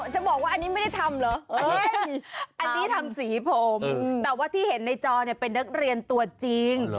จะบอกว่าอันนี้ไม่ได้ทำเหรออันนี้ทำสีผมแต่ว่าที่เห็นในจอเนี่ยเป็นนักเรียนตัวจริง